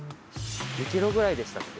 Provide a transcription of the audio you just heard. ２キロぐらいでしたっけ？